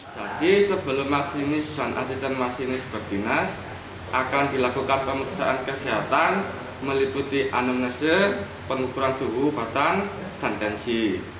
sebelum masinis dan asisten masinis berdinas akan dilakukan pemeriksaan kesehatan meliputi anomnese pengukuran suhu batang dan tensi